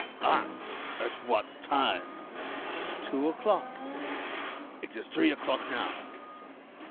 "Ah! at what time?" "Two o'clock." "It is three o'clock now."